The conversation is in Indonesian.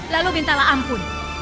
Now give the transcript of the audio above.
lalu bintalah ampun